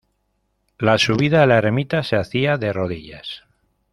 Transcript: La subida a la ermita se hacía de rodillas.